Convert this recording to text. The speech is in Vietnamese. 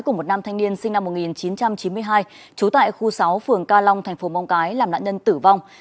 của một nam thanh niên sinh năm một nghìn chín trăm chín mươi hai chú tại khu sáu phường ca long tp móng cái làm nạn nhân tử vong